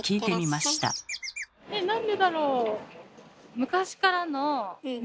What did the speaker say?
えなんでだろう？